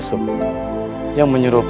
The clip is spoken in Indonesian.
saya mau pergi duluosh